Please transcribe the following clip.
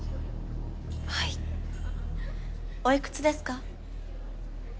はいおいくつですか？